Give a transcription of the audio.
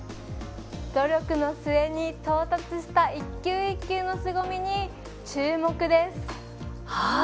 努力の末に到達した１球１球のすごみに注目です。